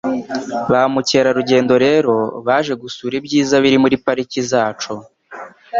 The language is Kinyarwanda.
Ba mukerarugendo rero baje gusura ibyiza biri muri pariki zacu,